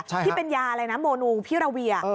ที่เป็นยาอะไรนะโมนูพิราเวีย